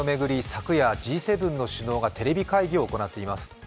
昨夜、Ｇ７の首脳がテレビ会議を行っています。